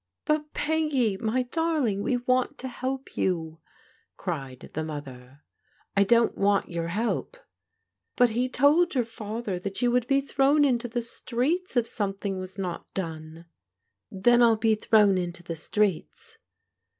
" But, Peggy, my dariing, we want to help you," cried the mother. " I don't want your help." " But he told your father that you would be thrown into the streets if something was not done." " Then I'll be thrown into the streets."